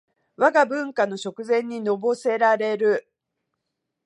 わが文化の食膳にのぼせられる